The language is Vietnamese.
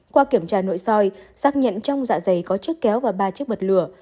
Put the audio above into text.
qua kiểm tra nội soi xác nhận trong dạ dày có chiếc kéo và ba chiếc bật lửa